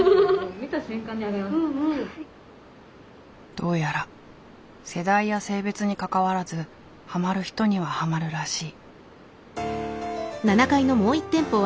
どうやら世代や性別にかかわらずハマる人にはハマるらしい。